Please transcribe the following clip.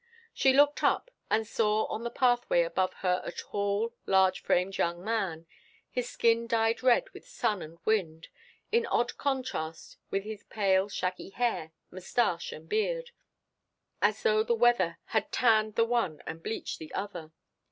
She looked up, and saw on the pathway above her a tall, large framed young man, his skin dyed red with sun and wind, in odd contrast with his pale shaggy hair, moustache, and beard, as though the weather had tanned the one and bleached the other.